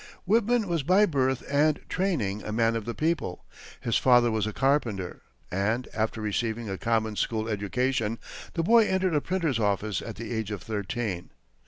Whitman was by birth and training a man of the people. His father was a carpenter, and, after receiving a common school education, the boy entered a printer's office at the age of thirteen.